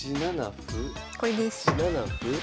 これです。